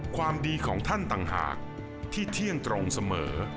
ความดีของท่านต่างหากที่เที่ยงตรงเสมอ